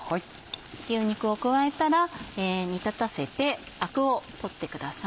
牛肉を加えたら煮立たせてアクを取ってください。